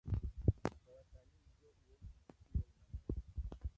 kwa watalii Njoo uone Ikiwa una moyo